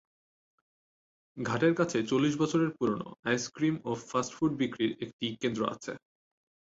ঘাটের কাছে চল্লিশ বছরের পুরনো আইসক্রিম ও ফাস্ট ফুড বিক্রির একটি কেন্দ্র আছে।